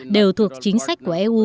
đều thuộc chính sách của eu